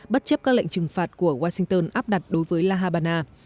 bất chấp các lệnh trừng phạt của washington áp đặt đối với la habana